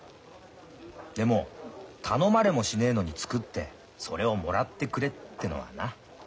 でも頼まれもしねえのに作ってそれをもらってくれってのはなあ。